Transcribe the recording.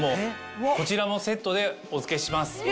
こちらもセットでお付けします。